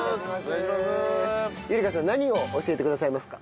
由莉香さん何を教えてくださいますか？